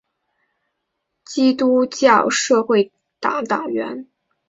基督教社会党党员。